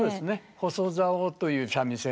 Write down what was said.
細棹という三味線で。